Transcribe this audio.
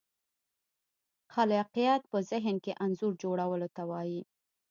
خلاقیت په ذهن کې انځور جوړولو ته وایي.